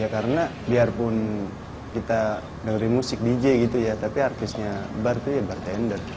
karena biarpun kita dengerin musik dj gitu ya tapi artisnya bar itu ya bartender